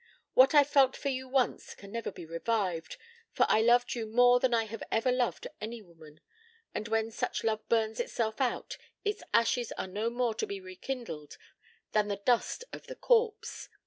What I felt for you once can never be revived, for I loved you more than I have ever loved any woman; and when such love burns itself out, its ashes are no more to be rekindled than the dust of the corpse.